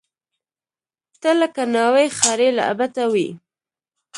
ته لکه ناوۍ، ښاري لعبته وې